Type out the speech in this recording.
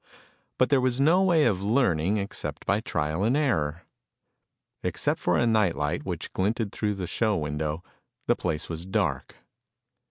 But there was no way of learning except by trial and error. Except for a night light which glinted through the show window, the place was dark.